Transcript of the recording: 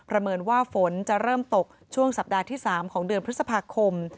เมินว่าฝนจะเริ่มตกช่วงสัปดาห์ที่๓ของเดือนพฤษภาคม